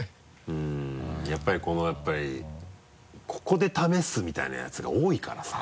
うんやっぱりこのやっぱりここで試すみたいなヤツが多いからさ。